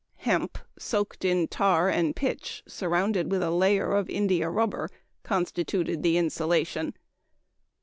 Hemp soaked in tar and pitch, surrounded with a layer of india rubber, constituted the insulation.